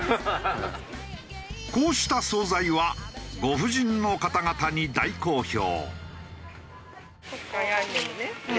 こうした総菜はご婦人の方々に大好評。